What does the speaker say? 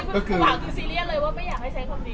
ทุกคนดูซีเรียคเลยว่าไม่อยากให้เช็คคนี้